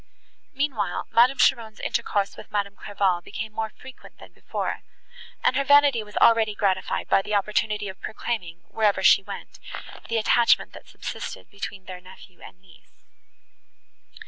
Meanwhile, Madame Cheron's intercourse with Madame Clairval became more frequent than before, and her vanity was already gratified by the opportunity of proclaiming, wherever she went, the attachment that subsisted between their nephew and niece.